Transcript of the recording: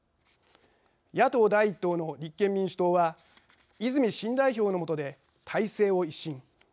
野党第１党の立憲民主党は泉新代表の下で体制を一新。